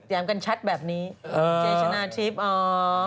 แย้มกันชัดแบบนี้เจชนะทิพย์